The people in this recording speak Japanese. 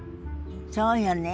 そうよね。